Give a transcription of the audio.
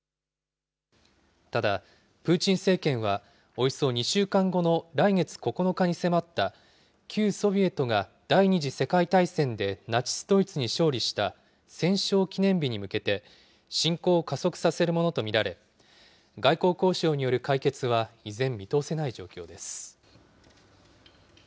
ただ、プーチン政権はおよそ２週間後の来月９日に迫った、旧ソビエトが第２次世界大戦でナチス・ドイツに勝利した戦勝記念日に向けて、侵攻を加速させるものと見られ、外交交渉による解決は依然、見通せない状況です。